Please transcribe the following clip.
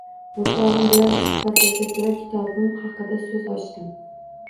O’rtog’im bilan suhbatlasha tura, kitobim haqida so‘z ochdim.